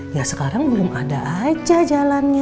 ya sekarang belum ada aja jalannya